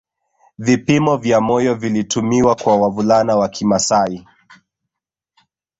Vipimo vya moyo vilitumiwa kwa wavulana wa kimasai